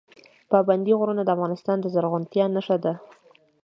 پابندی غرونه د افغانستان د زرغونتیا نښه ده.